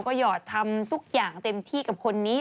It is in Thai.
ก็หยอดทำทุกอย่างเต็มที่กับคนนี้